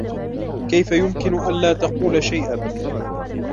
كيف يمكن أن لا تقول شيئاً ؟